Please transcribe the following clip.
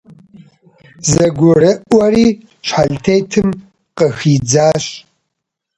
ЗэгурыӀуэри, щхьэлтетым къыхидзащ.